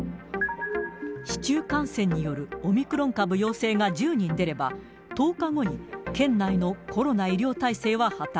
市中感染によるオミクロン株陽性が１０人出れば、１０日後に県内のコロナ医療体制は破綻。